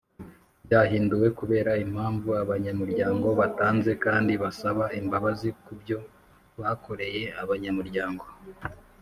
byahinduwe kubera impamvu abanyamuryango batanze kandi basaba imbabazi kubyo bakoreye abanyamuryango